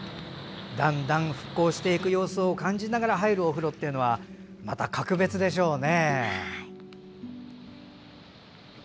だんだん復興していく様子を感じながら入るお風呂っていうのはまた格別でしょうね。